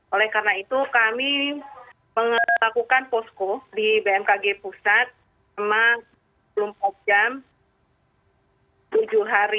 oleh karena itu kami melakukan posko di bmkg pusat selama dua puluh empat jam tujuh hari